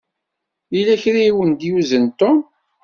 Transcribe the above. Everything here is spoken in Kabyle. Yella kra i wen-d-yuzen Tom.